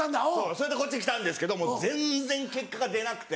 それでこっち来たんですけどもう全然結果が出なくて。